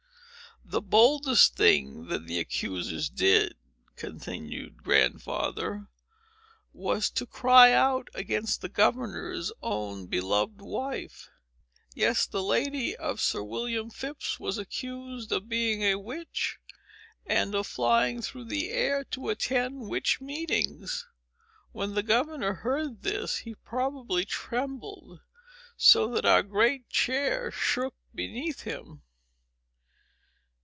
"The boldest thing that the accusers did," continued Grandfather, "was to cry out against the governor's own beloved wife. Yes; the lady of Sir William Phips was accused of being a witch, and of flying through the air to attend witch meetings. When the governor heard this, he probably trembled, so that our great chair shook beneath him."